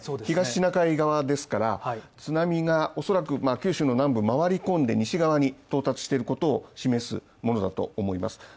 東シナ海側ですから、津波がおそらく九州の南部回り込んで西側に到達していることを示すものだと思います。